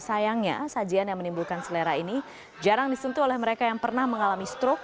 sayangnya sajian yang menimbulkan selera ini jarang disentuh oleh mereka yang pernah mengalami stroke